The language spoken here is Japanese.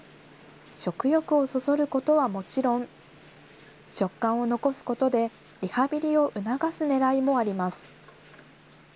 食欲をそそることはもちろん、食感を残すことで、リハビリを促すねらいもあります。